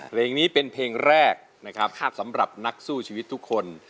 เพลงนี้เป็นเพลงแรกนะครับสำหรับนักสู้ชีวิตทุกคน